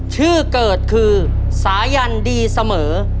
ชื่อเกิดคือสายันดีเสมอ